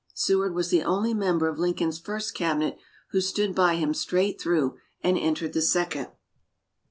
Seward was the only member of Lincoln's first Cabinet who stood by him straight through and entered the second.